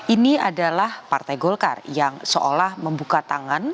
ini adalah partai golkar yang seolah membuka tangan